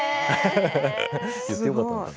言ってよかったかな？